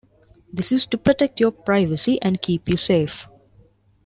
This is to protect your privacy and keep you safe.